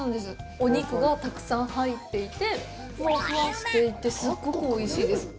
お肉がたくさん入っていて、ふわふわしていて、すっごくおいしいです。